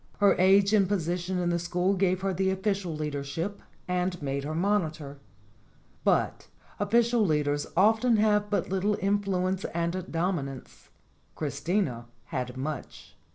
Her age and position in the school gave her the official leadership and made her monitor. But official leaders often have but little influence and dominance: Chris tina had much.